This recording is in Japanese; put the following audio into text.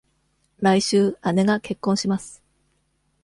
来週、姉が結婚します。